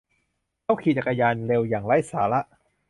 เขาขี่จักรยานเร็วอย่างไร้สาระ